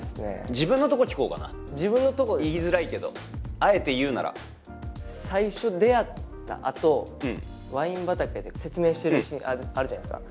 自分のとこ聞こうかな言いづらいけどあえて言うなら最初出会ったあとワイン畑で説明してるシーンあるじゃないですか